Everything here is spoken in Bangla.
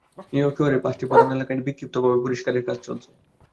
নিউইয়র্ক শহরের পাঁচটি প্রধান এলাকায় বিক্ষিপ্তভাবে পরিষ্কারের কাজ চলছে।